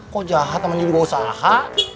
kok jahat sama jadi bosaha